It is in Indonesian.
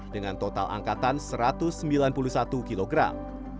dengan total angkatan satu ratus sembilan puluh satu kilogram